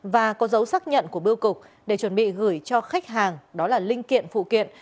và có dấu xác nhận của bưu cục để chuẩn bị gửi cho khách hàng đó là linh kiện phụ kiện